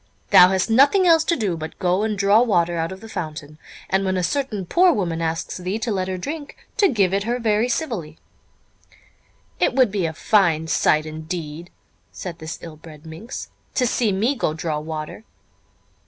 Thou hast nothing else to do but go and draw water out of the fountain, and when a certain poor woman asks thee to let her drink, to give it her very civilly." "It would be a very fine sight indeed," said this ill bred minx, "to see me go draw water!"